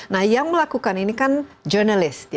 nah yang melakukan ini kan jurnalis